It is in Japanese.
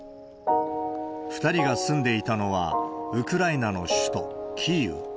２人が住んでいたのは、ウクライナの首都キーウ。